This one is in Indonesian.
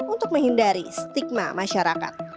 untuk menghindari stigma masyarakat